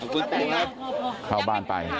ถ่ายเข้าบ้านไป